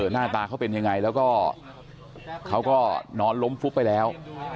หน้าตาเขาเป็นยังไงแล้วก็เขาก็นอนล้มฟุบไปแล้ว